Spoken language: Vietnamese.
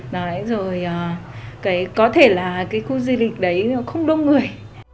rồi có thể là cái khu du lịch đấy không đông người